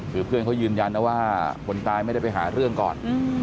คือเพื่อนเขายืนยันนะว่าคนตายไม่ได้ไปหาเรื่องก่อน